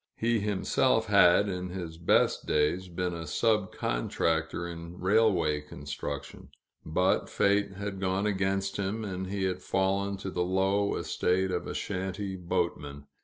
He himself had, in his best days, been a sub contractor in railway construction; but fate had gone against him, and he had fallen to the low estate of a shanty boatman.